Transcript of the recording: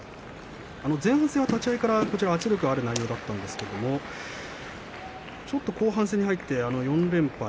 前半戦は立ち合いから圧力がある内容だったんですがちょっと後半戦に入って４連敗。